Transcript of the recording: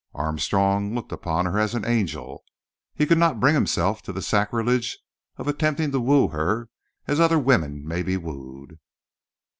Armstrong looked upon her as an angel. He could not bring himself to the sacrilege of attempting to woo her as other women may be wooed.